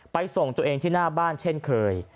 ส่งตัวเองที่หน้าบ้านเช่นเคย